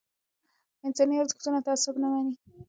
انساني ارزښتونه تعصب نه مني